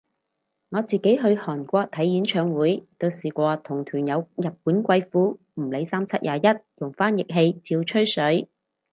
我自己去韓國睇演唱會都試過同團有日本貴婦，唔理三七廿一用翻譯器照吹水